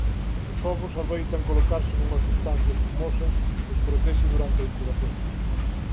Os ovos adoitan colocarse nunha substancia escumosa que os protexe durante a incubación.